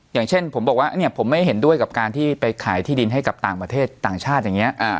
อย่างเช่นผมบอกว่าเนี่ยผมไม่เห็นด้วยกับการที่ไปขายที่ดินให้กับต่างประเทศต่างชาติอย่างนี้